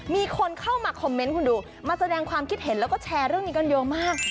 มีคนเข้ามาคอมเมนต์คุณดูมาแสดงความคิดเห็นแล้วก็แชร์เรื่องนี้กันเยอะมาก